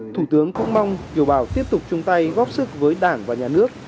thủ tướng cũng mong kiều bào tiếp tục chung tay góp sức với đảng và nhà nước